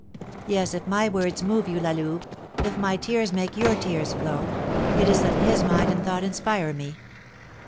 Yes, if my words move you, La Louve, if my tears make your tears flow, it is that his mind and thought inspire me.